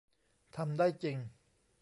ทำได้จริง